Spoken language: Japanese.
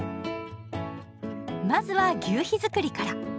まずは求肥づくりから。